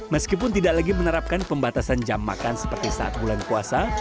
meskipun tidak lagi menerapkan pembatasan jam makan seperti saat bulan puasa